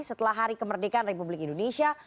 setelah hari kemerdekaan republik indonesia